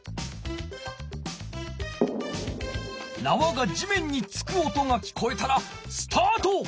なわが地面に着く音が聞こえたらスタート！